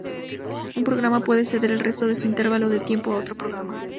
Un programa puede ceder el resto de su intervalo de tiempo a otro programa.